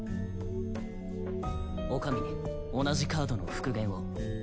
女将同じカードの復元を。